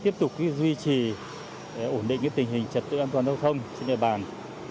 để tiếp tục duy trì ổn định tình hình trật tự an toàn giao thông trên đời bàn